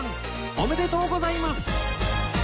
おめでとうございます！